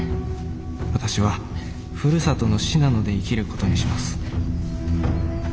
私はふるさとの信濃で生きることにします」。